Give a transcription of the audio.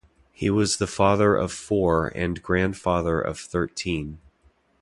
He was the father of four and grandfather of thirteen.